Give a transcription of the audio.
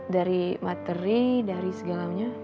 dari materi dari segalanya